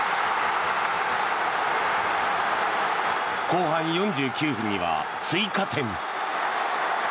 後半４９分には追加点。